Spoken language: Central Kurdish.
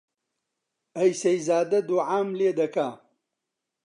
ئەی سەیزادە دووعام لێ دەکا